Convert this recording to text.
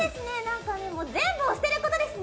全部を捨てることですね。